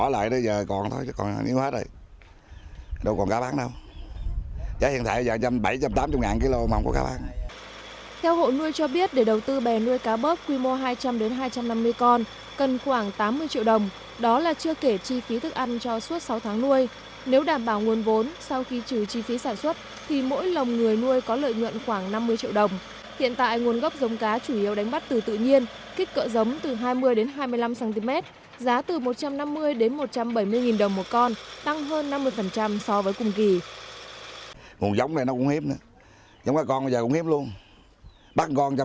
hiện nay giá cá bớp tăng lại từ một trăm năm mươi đến một trăm năm mươi nghìn một kg cao nhất từ trước đến nay